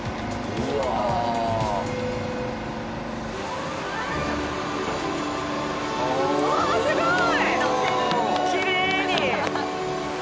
うわすごーい。